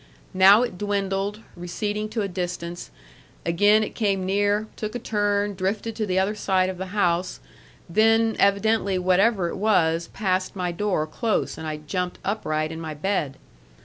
Now it dwindled, receding to a distance; again it came near, took a turn, drifted to the other side of the house; then, evidently, whatever it was, passed my door close, and I jumped upright in my bed.